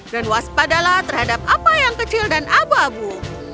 dan waspadalah terhadap apa yang kecil dan abu abu